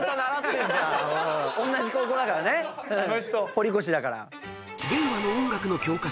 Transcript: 堀越だから。